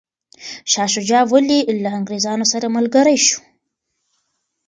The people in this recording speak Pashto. شاه شجاع ولي له انګریزانو سره ملګری شو؟